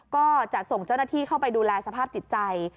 ก็จะส่งเจ้าหน้าที่เข้าไปดูแลสภาพจิตใจ